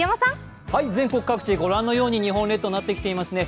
全国各地、御覧のように日本列島なってきていますね。